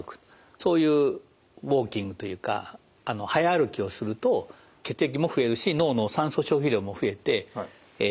そういうウォーキングというか早歩きをすると血液も増えるし脳の酸素消費量も増えて神経の栄養因子が出るわけです。